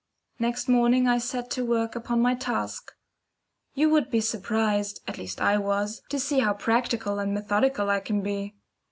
Next morning I set to work upon my task. You would be surprised (at least I was) to see how practical and methodical I can be.